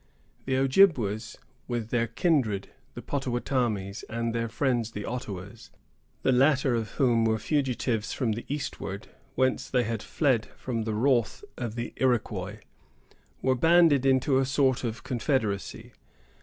The Ojibwas, with their kindred, the Pottawattamies, and their friends the Ottawas,——the latter of whom were fugitives from the eastward, whence they had fled from the wrath of the Iroquois,——were banded into a sort of confederacy.